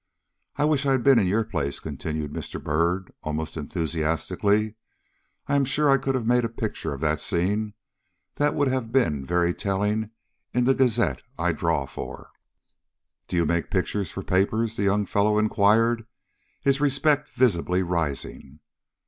"I wish I had been in your place," continued Mr. Byrd, almost enthusiastically. "I am sure I could have made a picture of that scene that would have been very telling in the gazette I draw for." "Do you make pictures for papers?" the young fellow inquired, his respect visibly rising.